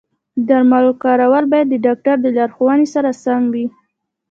د درملو کارول باید د ډاکټر د لارښوونې سره سم وي.